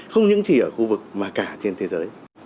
không những chỉ ở khu vực mà cả trên thế giới